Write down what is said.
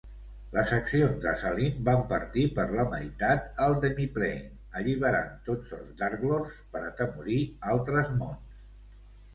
Les accions d'Azalin van partir per la meitat el Demiplane, alliberant tots els Darklords per atemorir altres mons.